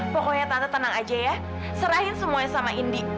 pokoknya tante tenang aja ya serahin semuanya sama indi